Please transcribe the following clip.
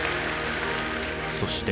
そして。